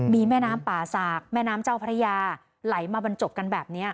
มีแม่น้ำป่าสากแม่น้ำเจ้าพระยาไหลมาบรรจบกันแบบนี้